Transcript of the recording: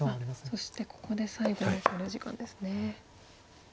そしてここで最後の考慮時間ですね。